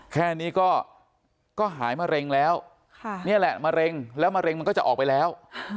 แค่นี้ก็หายมะเร็งแล้วนี่แหละมะเร็งแล้วมะเร็งมันก็จะออกไปแล้ว